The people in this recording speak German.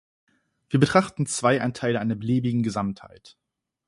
Wir betrachten zwei Anteile einer beliebigen Gesamtheit.